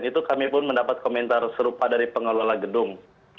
itu kami pun mendapat komentar serupa dari pengelola gedung